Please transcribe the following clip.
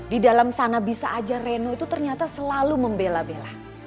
di dalam sana bisa aja reno itu ternyata selalu membela bela